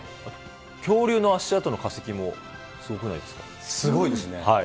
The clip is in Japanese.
恐竜の足跡の化すごいですね。